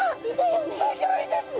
すギョいですね！